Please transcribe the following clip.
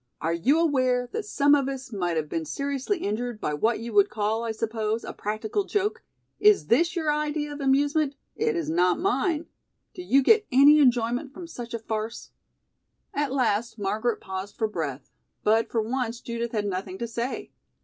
Are you aware that some of us might have been seriously injured by what you would call, I suppose, a practical joke? Is this your idea of amusement? It is not mine. Do you get any enjoyment from such a farce?" At last Margaret paused for breath, but for once Judith had nothing to say.